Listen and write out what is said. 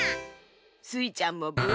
スイちゃんもブー。